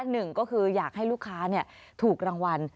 หนึ่งก็คืออยากให้ลูกค้าถูกรางวัล